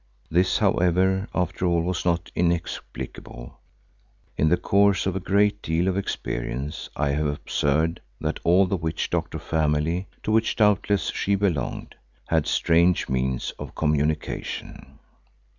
This, however, after all was not inexplicable. In the course of a great deal of experience I have observed that all the witch doctor family, to which doubtless she belonged, have strange means of communication.